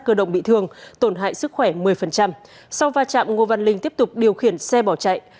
cơ động bị thương tổn hại sức khỏe một mươi sau va chạm ngô văn linh tiếp tục điều khiển xe bỏ chạy